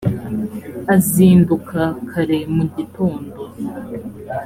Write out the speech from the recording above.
azinduka kare mu gitondo